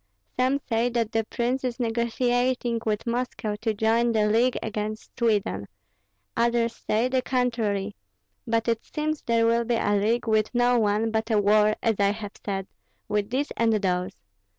Some say that the prince is negotiating with Moscow to join the league against Sweden; others say the contrary; but it seems there will be a league with no one, but a war, as I have said, with these and those.